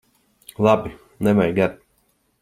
Labi! Nevajag ar'.